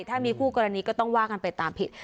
ถ้ามีคู่กรณีก็ต้องว่ากันไปตามผิด